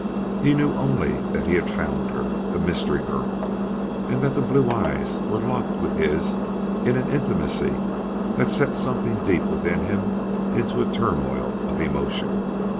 He knew only that he had found her the mystery girl and that the blue eyes were locked with his in an intimacy that set something deep within him into a turmoil of emotion.